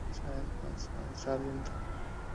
Sir, কিন্তু।